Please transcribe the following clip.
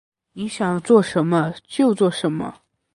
你想要做什么？就做什么